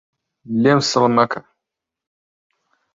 لێم سڵ مەکە